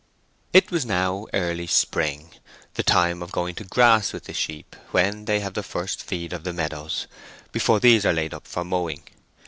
It was now early spring—the time of going to grass with the sheep, when they have the first feed of the meadows, before these are laid up for mowing.